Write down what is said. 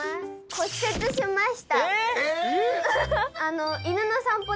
骨折しました。